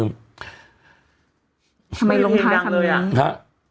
ทำไมลงท้ายคำนี้